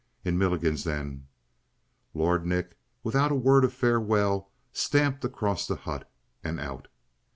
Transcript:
"In Milligan's, then." Lord Nick, without a word of farewell, stamped across the hut and out.